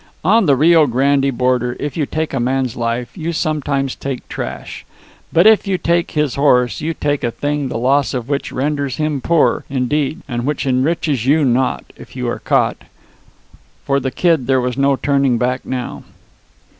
On the Rio Grande border if you take a man's life you sometimes take trash; but if you take his horse, you take a thing the loss of which renders him poor, indeed, and which enriches you not if you are caught. For the Kid there was no turning back now.